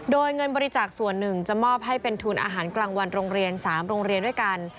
โดยเงินบริจาคส่วนหนึ่งจะมอบให้เป็นทุนอาหารกลางวันโรงเรียน๓โรงเรียนด้วยกัน